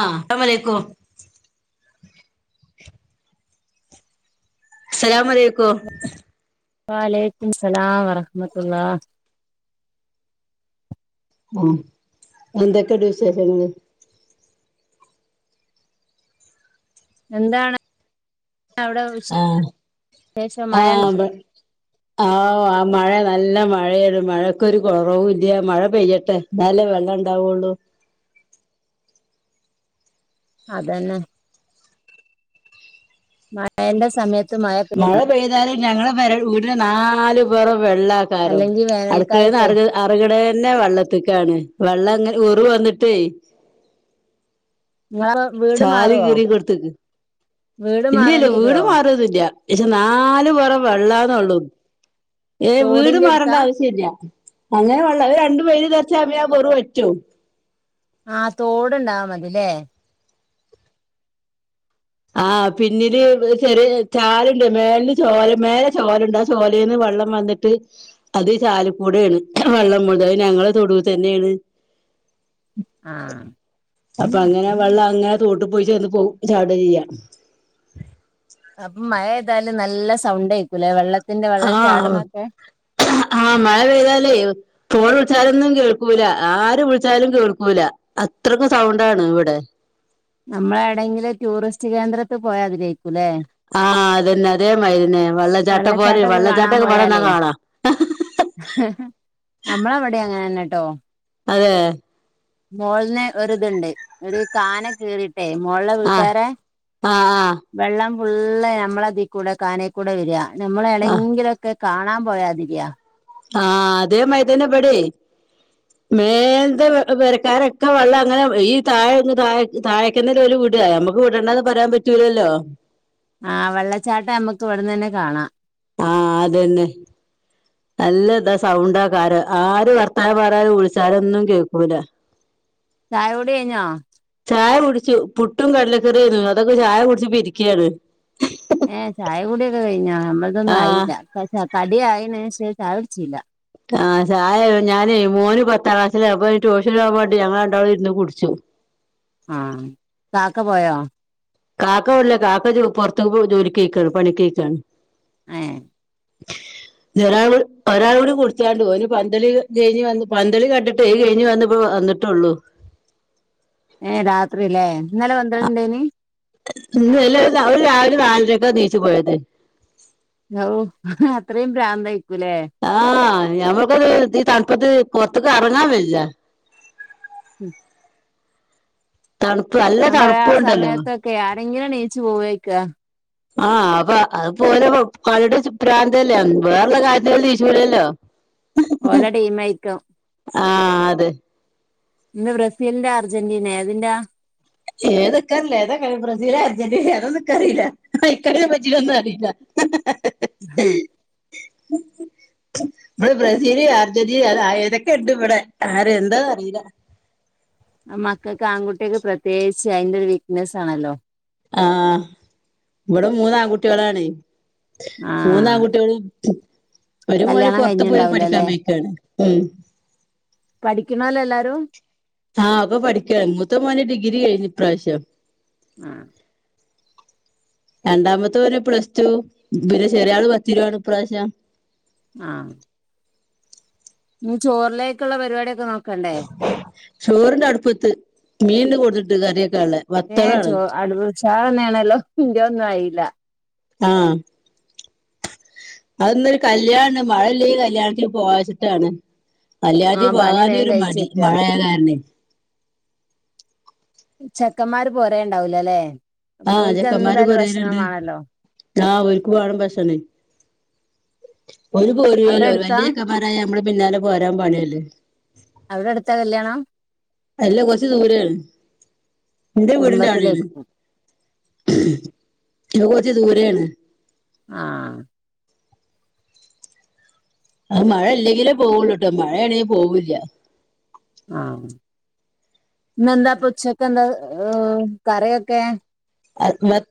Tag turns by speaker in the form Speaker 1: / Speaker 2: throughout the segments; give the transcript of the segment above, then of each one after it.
Speaker 1: ആഹ് അസലാമലയ്ക്കു അസ്സലാമുഅലൈക്കും
Speaker 2: വലൈകുമുസ്സലാം വറഹ്മതുല്ലാഹ്
Speaker 1: മ്മ് എന്തൊക്കെണ്ട് വിശേഷങ്ങള്
Speaker 2: എന്താണ് അവടെ
Speaker 1: ആഹ് ആ ബ ആവു ആ മഴ നല്ല മഴയേര് മഴക്കൊരു കൊറവുല്യ മഴ പെയ്യട്ടെ ന്നാല്ലേ വെള്ളണ്ടാവുള്ളൂ
Speaker 2: അതന്നെ മഴന്റെ സമയത്ത് മഴ പെയ്യണം
Speaker 1: പെയ്താല് ഞങ്ങള പെര വീടിന്റെ നാല് പൊറം വെള്ളേക്കാരം
Speaker 2: അല്ലെങ്കി വേനൽക്കാലത്തെ
Speaker 1: അടുക്കളന്നെറങ്ങു എറങ്ങണേന്നെ വെള്ളത്തിക്കാണ് വെള്ളങ്ങനെ ഒറു വന്നിട്ടേയ്
Speaker 2: നിങ്ങളെ വീട്
Speaker 1: ചാല്
Speaker 2: മാറുവോ
Speaker 1: കീറി കൊടുത്ത്ക്ക്
Speaker 2: വീട്
Speaker 1: ഇല്ലില്ല
Speaker 2: മാറേണ്ടി
Speaker 1: വീട്
Speaker 2: വരുവോ
Speaker 1: മാറൊന്നുല്ല ക്ഷെ നാലു പൊറും വെള്ളാന്നൊള്ളൂ ഏയ് വീട്
Speaker 2: തോടിന്റെ അടുത്താ
Speaker 1: മാറേണ്ട ആവശ്യല്ല്യ അങ്ങനെ വെള്ള അയ് രണ്ടു വെയില് തെറിച്ച പിന്നെ ആ ഒറു വറ്റും
Speaker 2: ആഹ് തോടുണ്ടായമതില്ലേ
Speaker 1: ആഹ് പിന്നില് ചെറിയ ചാല്ണ്ട് മേലെന്ന് ചോല മേലെ ചോലണ്ട് ആ ചോലെന്ന് വെള്ളം വന്നിട്ട് അതീ ചാലീക്കൂടെണ് വെള്ളം മുയുവൻ അയ് ഞങ്ങളെ തൊടു തന്നെണ്
Speaker 2: ആഹ്
Speaker 1: അപ്പങ്ങനെ വെള്ളങ്ങനെ തോട്ട് പോയി ച്ചെന്ന് പോ ചാട ചെയ്യാ
Speaker 2: അപ്പ മഴ താല് നല്ല സൗണ്ടേക്കുല്ലേ വെള്ള
Speaker 1: ആഹ് ആ മഴ പെയ്താലേ ഫോൺ വിളിച്ചാലൊന്നും കേൾക്കൂല ആര് വിളിച്ചാലും കേൾക്കൂല അത്രക്കു സൗണ്ടാണ് ഇവടെ
Speaker 2: നമ്മളെവിടെങ്കിലും ടൂറിസ്റ്റ് കേന്ദ്രത്തി പോയാതിരേക്കുല്ലേ
Speaker 1: ആഹ് അതന്നെ അതേ മാര്യന്നെ വെള്ളച്ചാട്ടം പോലെ
Speaker 2: വെള്ളച്ചാട്ടൊക്കെ
Speaker 1: വെള്ളച്ചാട്ടൊക്കെവെടന്നാ കാണാ
Speaker 2: അഹ് നമ്മളവടിം അങ്ങനെന്നെട്ടോ
Speaker 1: അതെ
Speaker 2: മോള്ന്ന് ഒരിതുണ്ട് ഒരു കാന കീറി ട്ടെയ് മോള്ലെ
Speaker 1: ആ
Speaker 2: വീട്ടാരെ
Speaker 1: ആ ആ
Speaker 2: വെള്ളം ഫുള്ള് നമ്മളതിക്കൂടെ കാനെക്കൂടെ വര
Speaker 1: ആ
Speaker 2: നമ്മളെടെങ്കിലൊ ക്കെ കാണാൻ പോയാതിരിയാ
Speaker 1: ആഹ് അതേ മാരിയെന്നെബടെ മേൽത്തെ പെരക്കാരൊക്കെ വെള്ളം അങ്ങനെ ഈ താഴേക്ക് താഴേക് താഴക്കന്നെല്ലേ ഓല് വിട നമുക്ക് വിടണ്ടന്ന് പറയാൻ പറ്റൂലല്ലോ
Speaker 2: ആ വെള്ളച്ചാട്ടം നമ്മുക്ക് ഇവിടന്ന്ന്നെ കാണാം
Speaker 1: ആ അതന്നെ നല്ല ഇതാ സൗണ്ട് ആകാരം ആര് വർത്താനം പറഞ്ഞാലും വിളിച്ചാലൊന്നും കേക്കൂല
Speaker 2: ചായകുടി കഴിഞ്ഞോ?
Speaker 1: ചായ കുടിച്ചു പുട്ടും കടലക്കറിയായിരുന്നു അതൊക്കെ ചായ കുടിച്ച് ഇരിക്കാണ്
Speaker 2: ഏഹ് ചായ കുടിയൊക്കെ കഴിഞ്ഞാ നമ്മളതൊന്നും
Speaker 1: ആ
Speaker 2: ആയില്ല കടിആയിണ് പക്ഷെ ചായ കുടിച്ചില്ല
Speaker 1: ആഹ് ചായ ഞാന് മോന് പത്താം ക്ലാസ്സിലാ അപ്പൊ ട്യൂഷൻപോകാൻ വേണ്ടി ഞങ്ങളണ്ടാളും ഇരിന്നു കുടിച്ചും
Speaker 2: ആഹ് കാക്ക പോയോ?
Speaker 1: കാക്ക ഇവിടെല്യ കാക്ക പുറത്ത് ജോലിക്ക് പോയിക്ക്ണ് പണി പോയിക്ക്ണ്
Speaker 2: ഏഹ്
Speaker 1: [inaudible] ഞ് ഒരാൾ ഒരാളൂടി കുടിച്ചാണ്ട് ഓന് പന്തളി കഴിഞവന്ന് പന്തളി കണ്ടിട്ട് അത് കഴിഞ് വന്നിട്ട് ട്ടൊള്ളു
Speaker 2: ഏഹ് രാത്രില്ലേ ഇന്നലെ വന്ത്ള്ണ്ടായിനി-
Speaker 1: അല്ല രാവിലെ നാലരക്കെ നീച്ചു പോയത്-
Speaker 2: ഔ അത്രയും ഭ്രാന്തയിക്കൂലേ?
Speaker 1: ആഹ് ഞമ്മക്ക് ഈതണപത്ത് പോറ്തേക്ക്റെങ്ങാ വയ്യ-
Speaker 2: ഉം-
Speaker 1: തണുപ്പായ്-
Speaker 2: നപറയാ ആ സമയത്തൊക്കെ ആരെങ്കിലും നീച്ചു പോവേക്കാ
Speaker 1: ആഹ് അപ്പൊ അത് പോലെ കളിടെ പ്രാന്തല്ലേ വേറളളൊ കാര്യത്തി ദേഷ്യം ഇല്ലല്ലോ-
Speaker 2: ഓലടീമായ്ക്കും-
Speaker 1: ആഹ് അതെ-
Speaker 2: ഇന്ന് ബ്രസീലിന്റെ അർജന്റീന എതിന്റാ?
Speaker 1: ഏതൊക്കെ ഏതാ കളി ബ്രസീല അർജന്റീന അതൊന്നും നിക്ക റില്ല ഇക്ക് അതേപറ്റി ഒന്നും അറിയില്ല-
Speaker 2: ഹും -
Speaker 1: ഇപടെ ബ്രസീല് അർജന്റീന അ ഏതൊക്കെ ഉണ്ട് ഇവിടെ ആര എന്താന്ന് അറിയില്ല-
Speaker 2: അഹ് മക്കൾക്ക് ആൺകുട്ടിയക്കെ പ്രത്യേകിച്ച് അയിന്റെ ഒരു വീക്ക്നെസാണല്ലോ.
Speaker 1: ആഹ് ഇവിടെ മൂന്ന ആൺകുട്ടിളാണേ
Speaker 2: ആഹ്
Speaker 1: മൂന്നാൺകുട്ട്യാളും- ഒരു മോൻ
Speaker 2: കല്യാണം
Speaker 1: പുറത്ത്പോയി
Speaker 2: കഴിഞ്ഞിണ്ടാവൂല
Speaker 1: പഠിക്കാൻ
Speaker 2: അല്ലെ
Speaker 1: പോയ്‌ക്കണ് ഉം-
Speaker 2: പഠിക്കണോലെല്ലാരും-
Speaker 1: ആഹ് ഒക്ക പഠിക്കണ് മൂത്ത മോൻ ഡിഗ്രി കഴിഞ് ഇപ്രാവശ്യം-
Speaker 2: ആഹ് -
Speaker 1: രണ്ടാമത്തെ ഓൻ പ്ലസ് ടു പിന്നെ ചെറിയ ആള് പത്തിലാണ് ഇപ്രാവശ്യം-
Speaker 2: ആഹ് ഞ് ചോറിലേക്കുള്ള പരിപാടിയൊക്കെ നോക്കണ്ടേ?
Speaker 1: ചോർണ്ട് അട്പ്പത്ത് മീൻ കൊടുന്നിട്ട് കറിയക്കാളെ-
Speaker 2: ഏഹ് ചോ അടുപ്ച്ചാറണേണല്ലോ ഇന്റെയ ഒന്നും ആയില-
Speaker 1: ആഹ് - അത് ഇന്നൊരു കല്യാണണ്ട് മഴ ഇല്ലെ ഈ കല്യാണത്തിന് പോവച്ചിട്ടാണ്- കല്യാണത്തി
Speaker 2: ആഹ് പണി വേഗം
Speaker 1: പോകാനരു മടി
Speaker 2: കഴിച്ചേക്ക
Speaker 1: മഴയായ കാരണേ -
Speaker 2: ചെക്കന്മാര് പോരേണ്ടാവൂലലെ
Speaker 1: ആഹ്
Speaker 2: ഓല്ക്
Speaker 1: ചെക്കന്മാര്
Speaker 2: എന്തായാലും
Speaker 1: പറയലുണ്ട്
Speaker 2: ഭക്ഷണംവേണേല്ലോ-
Speaker 1: ആഹ് ഒരുക്ക് വേണം ഭക്ഷണേ ഓർ
Speaker 2: അവിടെ
Speaker 1: പോരൂല്ലല്ലോ
Speaker 2: അടുത്താ
Speaker 1: വല്യ ചെക്കന്മ ന്മാരായാൽ നമ്മളെ പിന്നാലെ പോരാൻ പണിയല്ലേ.
Speaker 2: അവിടെ അടുത്താ കല്യാണം?
Speaker 1: അല്ല കൊറച്ച് ദൂരേണ് ന്റെ വീടിന്റെ ആടെണ്-
Speaker 2: കുടുംബത്തിലായിരിക്കും
Speaker 1: അത് കുറച്ച് ദൂരെയാണ്.
Speaker 2: ആഹ്-
Speaker 1: അത് മഴ ഇല്ലെങ്കിലേ പോവുള്ളൂട്ടോ മഴയാണെങ്കി പോകൂല്ല-
Speaker 2: ആഹ് ഇന്നെന്താ ഇപ്പൊച്ചക്കെന്താ കറിയൊക്കെ-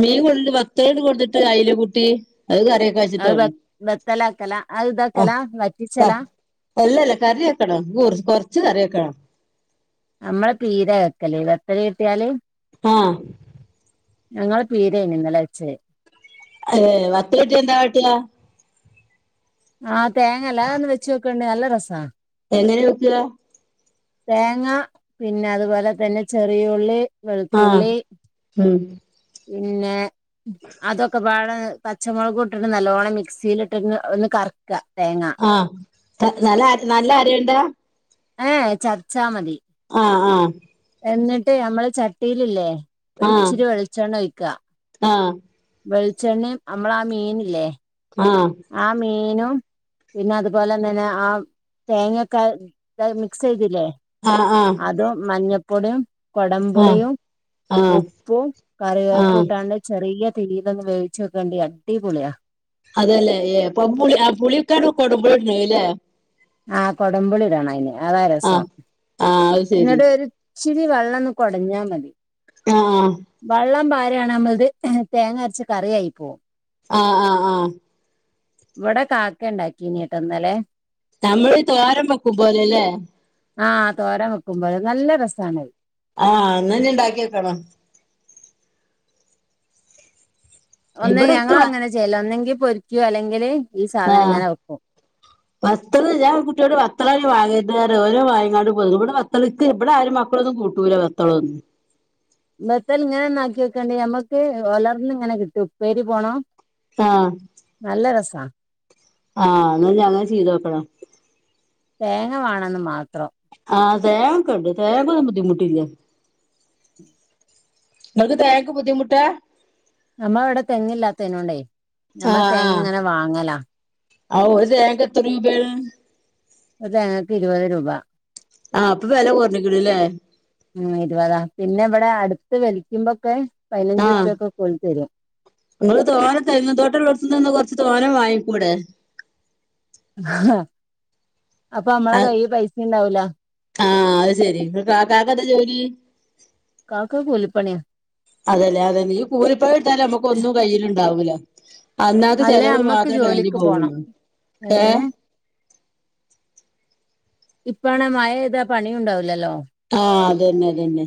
Speaker 1: മീൻ കൊണ്ടിട്ട് [unintelligible] കൊണ്ടിട്ട് അയിലക്കുട്ടി അത് കറിവയ്
Speaker 2: അ ബത്ത് ബത്തല ആക്കല അ ഇത് ആക്കലാ
Speaker 1: ആഹ്
Speaker 2: വറ്റിച്ചലാ-
Speaker 1: അല്ലല്ല കറി വെക്കണം കുറച്ച് കറി വെക്കണം-
Speaker 2: നമ്മളെ പീര വെക്കല്ലേ ഇത് എത്ര കിട്ടിയാല്-
Speaker 1: ആഹ് -
Speaker 2: ഞങ്ങളെ പീരെന് ഇന്നലെ വച്ചേ-
Speaker 1: [unintelligible] വത്ത് കിട്ടിയ എന്താകാട്ട്കാ-
Speaker 2: ആഹ് തേങ്ങല്ലാതെ ഒന്ന് വെച്ച് നോക്ക് ണ്ട് നല്ല രസാ-
Speaker 1: എങ്ങനെ വെക്ക്ക-
Speaker 2: തേങ്ങാ പിന്നെ അതുപോലെ തന്നെ ചെറിയുള്ളി-
Speaker 1: ആഹ്
Speaker 2: വെളുത്തുള്ളി
Speaker 1: മ്ഹ്-
Speaker 2: പിന്നെ അതൊക്കെ പാടെ പച്ചമുളകും ഇട്ടിട്ട് നല്ലവോണം മിക്സിലിട്ട് ഒന്ന് കറക്കാ തേങ്ങ
Speaker 1: ആഹ് നല്ല നല്ല അരയണ്ടാ
Speaker 2: ഏഎ ചത്ച്ചാ മതി
Speaker 1: ആഹ് ആഹ്
Speaker 2: എന്നിട്ടെയ് ഞമ്മള് ചട്ടിയില്ല്ലേ
Speaker 1: ആഹ്
Speaker 2: ഒരിച്ചിരി വെളിച്ചെണ്ണൊയ്ക്കാ
Speaker 1: ആഹ്
Speaker 2: വെളിച്ചെണ്ണിം നമ്മളാ മീന്ല്ലേ
Speaker 1: ആഹ്
Speaker 2: ആഹ് മീനും പിന്നെ അതുപോലെന്നന്നെ ആഹ് തേങ്ങൊക്കെ മിക്സ് ചെയ്തില്ലേ-
Speaker 1: ആഹ് ആഹ്-
Speaker 2: അതും മഞ്ഞപ്പൊടിയും
Speaker 1: ആഹ്
Speaker 2: കൊടംപുളിയും
Speaker 1: ആഹ്
Speaker 2: ഉപ്പും കറിവേപ്പും
Speaker 1: ആഹ്
Speaker 2: ഇട്ടാണ്ട് ചെറിയ തീയിലൊന്ന് വേവിച്ച് വെക്കണ്ടി അടിപൊളിയാ
Speaker 1: അതേല്ലേ ഏ ഇപ്പ പുളി ആ പുളി ക്കാണ്ടു കൊടമ്പുളിട്ണലേ
Speaker 2: ആഹ് കൊടമ്പുളിടണം അയ്ന് അതാ രസം
Speaker 1: ആഹ് ആഹ് അത് ശരി
Speaker 2: നിട് ഒരു ഇശിരി വെള്ളംന്ന് കൊടഞ്ഞാ മതി
Speaker 1: അ ആഹ്
Speaker 2: വെള്ളം പാരാണ് നമ്മൾത് തേങ്ങ അരച്ച കറിയയി പോവും
Speaker 1: ആഹ് ആഹ് ആഹ്
Speaker 2: ഇവിടെ കാക്കണ്ടാക്കിന്നിയട്ടൊ ഇന്നലെ
Speaker 1: നമ്മള് തോരൻ വെക്കുമ്പോലെല്ലേ
Speaker 2: ആഹ് തോരൻ വെക്കുമ്പോലെ നല്ല രസാണത്
Speaker 1: ആഹ് ന്നാഞ്ഞിണ്ടാക്കിനോക്കണം
Speaker 2: ഒന്നെയ്
Speaker 1: ഇവിടെ
Speaker 2: ഞങ്ങള്
Speaker 1: ഇക്ക്
Speaker 2: അങ്ങനെ ചെയ്യല് ഒന്നെങ്കി പൊരിക്ക്യോ അല്ലെങ്കില് ഈ സാധനം
Speaker 1: ആഹ്
Speaker 2: ഇങ്ങനെ വെക്കും
Speaker 1: വത്തള് ഞാൻ കുട്ടിയോട് വത്തളാണങ്കി വാങ്ങര്തറയും ഓര് വാങ്ങിക്കാണ്ട് പോരും ഇവിടെ വത്തള് തി ഇവിടാരും മക്കളൊന്നും കൂട്ടൂല വത്തളൊന്നും
Speaker 2: ബത്തൽ ഇങ്ങനെന്നാക്കി നോക്കോണ്ടി ഞമ്മക്ക് ഒലർന്ന് ഇങ്ങനെ കിട്ടും ഉപ്പേരി പോണോ
Speaker 1: ആഹ്
Speaker 2: നല്ല രസാ
Speaker 1: ആഹ് ന്നാഞ്ഞി അങ്ങനെ ചെയ്തോക്കണം
Speaker 2: തേങ്ങ വാണംന്ന് മാത്രം
Speaker 1: ആഹ് തേങ്ങൊക്കെണ്ട് തേങ്ങക്കൊന്നും ബുദ്ധിമുട്ടില്ല ങ്ങക്ക് തേങ്ങക്ക് ബുദ്ധിമുട്ടാ
Speaker 2: നമ്മളവിടെ തെങ്ങ്ല്ലാത്തേനോണ്ടേ നമ്മള് തേങ്ങങ്ങനെ വാങ്ങലാ
Speaker 1: ഔ ഒരു തേങ്ങക്ക് എത്ര രൂപേണ്
Speaker 2: ഒരു തേങ്ങക്ക് ഇരുപത് രൂപ
Speaker 1: ആഹ് പ്പൊ വെല കൊർഞ്ഞ്ക്ക്ണ്ലേ
Speaker 2: ഉം ഇരുപതാ പിന്നെ ഇവ്ടെ അടുത്ത് വെലിക്കുമ്പൊക്കെ പൈനഞ്ചുറിപ്പ്യൊക്കെ കൊണ്ട്ത്തെരും.
Speaker 1: ങ്ങള് തോന തെങ്ങ് തോട്ടള്ളോട്ത്ത്ന്ന്ന്നാ കൊർച്ച് തോനെ വാങ്ങിക്കൂടെ.
Speaker 2: അപ്പൊ അമ്മളെ കൈയി പൈസേണ്ടാവൂല.
Speaker 1: ആഹ് അയ് ശെരി കാക്കക്കെന്താ ജോലി?
Speaker 2: കാക്ക കൂലിപ്പണിയാ
Speaker 1: അതല്ലേ അതന്നെ ഈ കൂലിപ്പണിട്ത്താല് ഞമ്മക്കൊന്നും കയ്യില്ണ്ടാവൂല. അന്നാത്തെ
Speaker 2: അല്ലെ
Speaker 1: ചെലവ്
Speaker 2: അമ്മക്ക്
Speaker 1: മാത്രേ കയിഞ്ഞി
Speaker 2: ജോലിക്ക് പോണം
Speaker 1: പോവോള്ളൂ, ഏഹ്?
Speaker 2: ഇപ്പാണേ മഴെയ്താ പണിയൂണ്ടാവൂലല്ലോ.
Speaker 1: ആഹ് അതെന്നെ അതെന്നെ.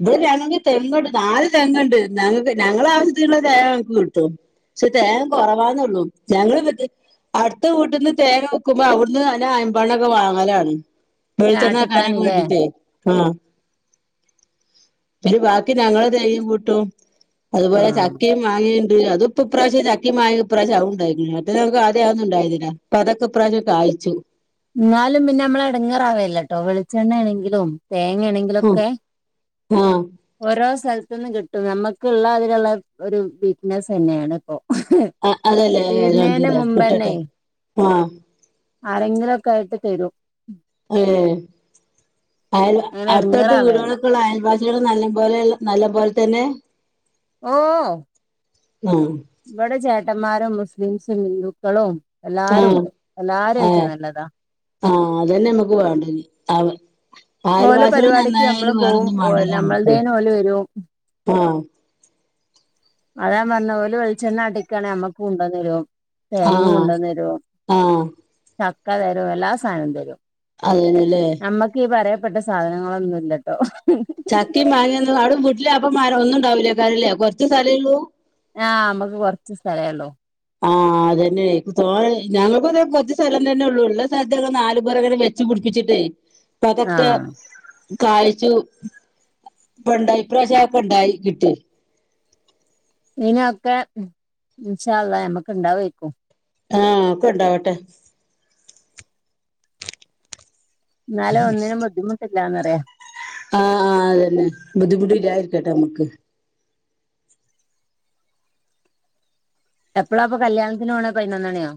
Speaker 1: ഇവ്ടെ ഞങ്ങക്ക് തെങ്ങ്ണ്ട് നാല് തെങ്ങ്ണ്ട് ഞങ്ങക്ക് ഞങ്ങടാവശ്യത്തിന്ള്ള തേങ്ങ ഞങ്ങക്ക് കിട്ടും. ക്ഷേ തേങ്ങ കൊറവാന്നോള്ളൂ ഞങ്ങള് പ അടുത്ത വീട്ടീന്ന് തേങ്ങ വിക്ക്മ്പോ അവ്ട്ന്ന് അന്നെ അയ്മ്പെണ്ണൊക്കെ വാങ്ങലാണ്. വെള്ച്ചെണ്ണാക്കാനൊക്കെ
Speaker 2: ആട്ടിക്കാനില്ലേ
Speaker 1: വേണ്ടിറ്റ് ആഹ് [unintelligible] ബാക്കി ഞങ്ങള തേങ്ങീം കൂട്ടും അത്പോലെ
Speaker 2: ആഹ്
Speaker 1: ചക്കേം മാങ്ങേണ്ട് അത് ഇപ്പൊ ഇപ്രാവശ്യം ചക്കിം മാങ്ങീം ഇപ്രാവ്ശ്യം അതും ഇണ്ടായിക്ക്ണ് മറ്റേത് ഞങ്ങക്ക് ആദ്യം അതൊന്നും ഇണ്ടായിന്നില ഇപ്പതൊക്കെ ഇപ്രാശ്യം കായിച്ചു.
Speaker 2: ന്നാലും പിന്നമ്മള് എടുങ്ങേറാവേല്ലട്ടോ വെളിച്ചെണ്ണേണെങ്കിലും തേങ്ങേണെങ്കിലും.
Speaker 1: ഉം
Speaker 2: കളൊക്കെ
Speaker 1: ആഹ്
Speaker 2: ഓരോ സ്ഥലത്തുന്ന് കിട്ടും, ഞമ്മക്ക്ള്ള അതില്ള്ള ഒരു വീക്ക്നെസെന്നേണ് ഇപ്പൊ.
Speaker 1: ആഹ് അതല്ലേ
Speaker 2: തീര്ന്നേന്
Speaker 1: അൽഹംദുലില്ലാഹ്
Speaker 2: മുമ്പെന്നേ.
Speaker 1: കിട്ടട്ടെ ആഹ്
Speaker 2: ആരെങ്കിലൊക്കായിട്ട് തെരും.
Speaker 1: ഏ അയല്
Speaker 2: അങ്ങനെ
Speaker 1: അട്ത്തട്ത്ത്
Speaker 2: എടങ്ങേറാവേണ്ട
Speaker 1: വീടേളൊക്കെള്ള അയൽവാസി നല്ലമ്പോലെള്ള നല്ലമ്പോലെതെന്നേ?
Speaker 2: ഓ.
Speaker 1: ആഹ്.
Speaker 2: ഇവടെ ചേട്ടമ്മാരും മുസ്ലിംസും ഹിന്ദുക്കളും
Speaker 1: ആഹ്
Speaker 2: എല്ലാരുണ്ട്
Speaker 1: ആഹ്
Speaker 2: എല്ലാരായിട്ടും നല്ലതാ.
Speaker 1: ആഹ് അതന്നെ അമ്മക്ക് വേണ്ടതി
Speaker 2: ഓലെ
Speaker 1: അയൽവാസ്യേള്
Speaker 2: പരിപാടിക്ക്
Speaker 1: നന്നായാല്
Speaker 2: നമ്മളും പോവും
Speaker 1: വേറൊന്നും വാണ്ടില്ല അമ്മക്ക്,
Speaker 2: നമ്മളതേന് ഓല് വരും
Speaker 1: ആഹ്.
Speaker 2: അതാ ഞാൻ പറഞ്ഞെ ഓല് വെളിച്ചെണ്ണാട്ടീക്കാണേ നമ്മക്ക് കൊണ്ടേന്നെരും. തേങ്ങിം
Speaker 1: ആഹ്
Speaker 2: കൊണ്ടോന്നെരും
Speaker 1: ആഹ്
Speaker 2: ചക്ക തെരും എല്ലാ സാനും തെരും.
Speaker 1: അങ്ങനെലേ
Speaker 2: അമ്മക്ക് ഈ പറയപ്പെട്ട സാധനങ്ങളൊന്നുല്ലട്ടോ.
Speaker 1: ചക്കിം മാങ്ങീന്നും അവ്ടെ വീട്ട്ല് അപ്പ മരൊന്നുണ്ടാവിലേക്കാരംല്ലേ കൊറച്ച് സ്ഥലേള്ളൂ?
Speaker 2: ആഹ് ഇമ്മക്ക് കൊറച്ച് സ്ഥലേഒള്ളൂ.
Speaker 1: ആഹ് അതന്നെ ഇന്കി തോന്നി ഞങ്ങക്കുംതാ കൊറച്ച് സ്ഥലം തന്നേള്ളു ഇള്ള സ്ഥലത്തെക്കെ നാല് പൊരങ്ങനെ വെ പുടിപ്പിച്ചിട്ടേ ഇപ്പ അതൊക്കെ.
Speaker 2: ആഹ്
Speaker 1: കായിച്ചൂ ഇപ്പണ്ടായി ഇപ്രാശ്യാക്കെണ്ടായി കിട്ടി.
Speaker 2: ഇനിഒക്കെ ഉം ഇൻഷാ അള്ളാ ഞമ്മക്ക് ഇണ്ടാവേക്കും.
Speaker 1: ആഹ് ഒക്കെണ്ടാവട്ടേ
Speaker 2: ന്നാലെ ഒന്നിനും ബുദ്ധിമുട്ടില്ലാന്നറിയ.
Speaker 1: ആഹ് ആഹ് അതെന്നെ ബുദ്ധിമുട്ടില്ലാതിരിക്കട്ടെ ഞമ്മക്ക്.
Speaker 2: എപ്പളാ അപ്പ കല്യാൺത്തിന് പോണേ പൈനൊന്നണിയോ.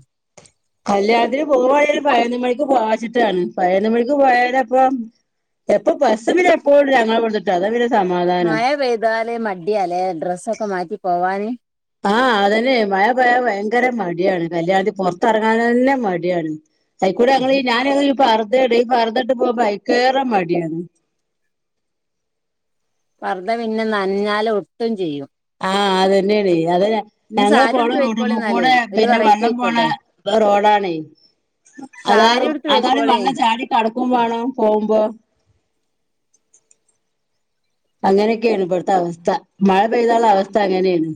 Speaker 1: കല്ല്യാണത്തിന് പോവായാല് പയിനൊന്ന് മണിക്ക് പോവാച്ചിട്ടാണ് പയിനൊന്ന് മണിക്ക് പോയാലപ്പം എപ്പൊ ബസ് പിന്നെപ്പോഴും ഞങ്ങളെവ്ടുന്ന് കിട്ടും അതാ പിന്നൊര് സമാധാനം.
Speaker 2: [inaudible] മടിയാലേ ഡ്രസ്സൊക്കെ മാറ്റി പോവാന്.
Speaker 1: ആഹ് അതന്നെ മഴപയ ഭയങ്കര മട്യാണ് കല്യാണത്തി പൊറത്തെറങ്ങാൻ തന്നെ മട്യാണ്. അയിക്കൂടെ ഞമ്മളീ ഞാന് ഈ പർദ്ദ ഇടാ ഈ പർദ്ദട്ട് പോവാപ്പയിക്കേറ മട്യാണ്.
Speaker 2: പർദ്ദ പിന്നെ നനഞ്ഞാല് ഒട്ടും ചെയ്യും
Speaker 1: ആഹ് അതെന്നെണെയ് അത
Speaker 2: ഇന്ന്
Speaker 1: ഞങ്ങള്
Speaker 2: സാരി
Speaker 1: പോണ
Speaker 2: എടുത്ത് വെക്കോളി എന്നാലേ
Speaker 1: റോട്ട്മ്മകൂടെ
Speaker 2: ഒരു
Speaker 1: പിന്നെ
Speaker 2: വെറൈറ്റി
Speaker 1: വെള്ളം പോണ
Speaker 2: ആയിക്കോട്ടെ
Speaker 1: റോഡാണെയ് അതാ
Speaker 2: സാരി
Speaker 1: റോ
Speaker 2: എടുത്ത്
Speaker 1: അതാണെയ്
Speaker 2: വെക്കോളി
Speaker 1: വെള്ളം ചാടി കടക്കും വേണം പോകുമ്പോ അങ്ങനൊക്കെണ് ഇബ്ടുത്തെ അവസ്ഥ. മഴ പെയ്താള്ള അവസ്ഥ അങ്ങനെയാണ്